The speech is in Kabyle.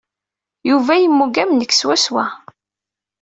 Yuba yemmug am nekk swaswa.